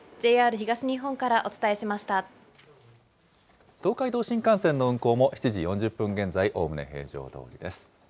東海道新幹線の運行も７時４０分現在、おおむね平常どおりです。